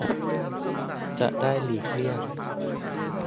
จะได้หลีกเลี่ยง